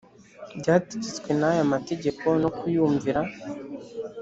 byategetswe n aya mategeko no kuyumvira